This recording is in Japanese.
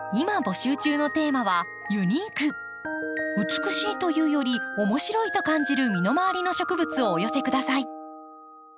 美しいというより面白いと感じる身の回りの植物をお寄せ下さい。